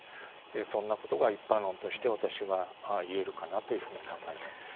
そんなことが一般論として私は言えるかなと考えています。